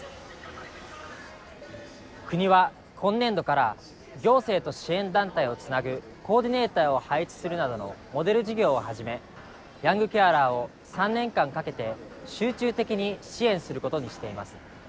国は今年度から行政と支援団体をつなぐコーディネーターを配置するなどのモデル事業をはじめヤングケアラーを３年間かけて集中的に支援することにしています。